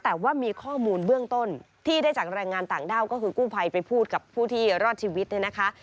แต่ว่ามีข้อมูลเบื้องต้นที่ได้จากแรงงานต่างด้าวก็คือกู้ภัยไปพูดกับผู้ที่รอดชีวิตเนี่ยนะคะ